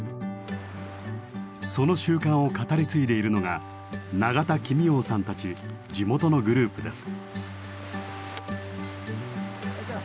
その習慣を語り継いでいるのが長田君應さんたち地元のグループです。